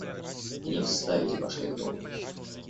Они встали и пошли к дому.